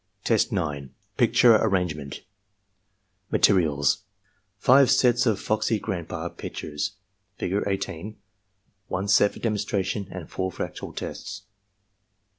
Test 9. — ^Picture Arrangement Materials, — Five sets of "Foxy Grandpa" pictures, Figure 18, one set for demonstration, and four for actual tests.